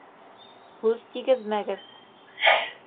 Һүҙ тигеҙмәгеҙ.